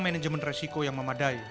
manajemen resiko yang memadai